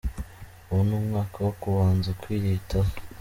Ubu ni umwaka wo kubanza kwiyitaho.